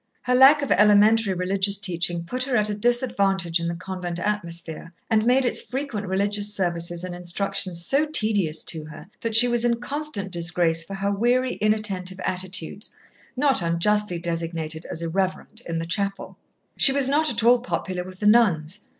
Her lack of elementary religious teaching put her at a disadvantage in the convent atmosphere, and made its frequent religious services and instructions so tedious to her, that she was in constant disgrace for her weary, inattentive attitudes, not unjustly designated as irreverent, in the chapel. She was not at all popular with the nuns.